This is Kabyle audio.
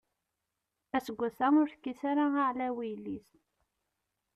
Aseggas-a ur tekkis ara aɛlaw i yelli-s.